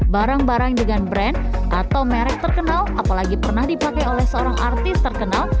barang barang dengan brand atau merek terkenal apalagi pernah dipakai oleh seorang artis terkenal